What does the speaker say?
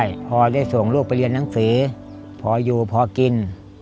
ใช่พอได้ส่งลูกไปเรียนหนังสือพออยู่พอกิน